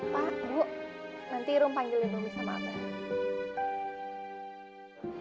pak bu nanti rum panggil rumi sama abah